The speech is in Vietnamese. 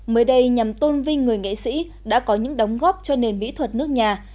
mới đây nhằm tôn vinh người nghệ sĩ đã có những đóng góp cho nền mỹ thuật nước nhà